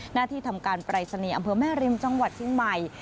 หน้าที่ทำการปรายศนีย์อำเภอแม่ริมจังหวัดเชียงใหม่